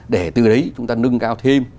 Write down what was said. để từ đấy chúng ta nâng cao thêm